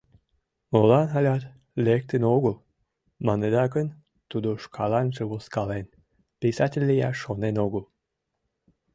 «Молан алят лектын огыл?» — маныда гын, тудо шкаланже возкален, писатель лияш шонен огыл.